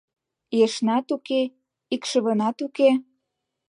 Ешнат уке, икшывынат уке